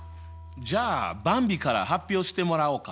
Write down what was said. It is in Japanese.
じゃあばんびから発表してもらおうか。